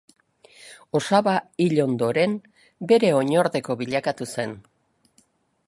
Osaba hil ondoren bere oinordeko bilakatu zen.